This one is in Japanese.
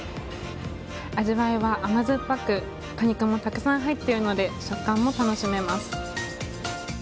味わいは甘酸っぱく果肉もたくさん入っているので食感も楽しめます。